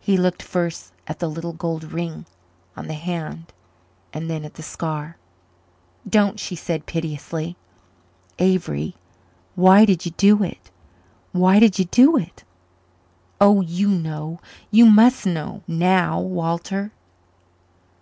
He looked first at the little gold ring on the hand and then at the scar. "Don't," she said piteously. "Avery why did you do it? why did you do it?" "Oh, you know you must know now, Walter."